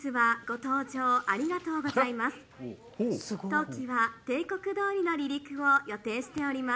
当機は定刻どおりの離陸を予定しております。